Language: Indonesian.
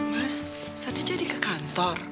mas sandi jadi ke kantor